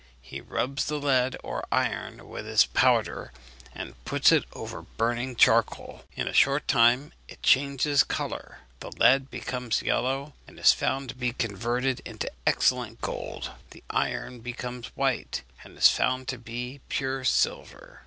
He rubs the lead or iron with his powder, and puts it over burning charcoal. In a short time it changes colour; the lead becomes yellow, and is found to be converted into excellent gold; the iron becomes white, and is found to be pure silver.